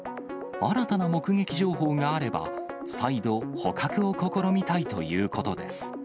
新たな目撃情報があれば、再度、捕獲を試みたいということです。